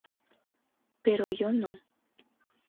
Pero yo no.